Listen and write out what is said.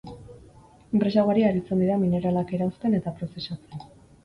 Enpresa ugari aritzen dira mineralak erauzten eta prozesatzen.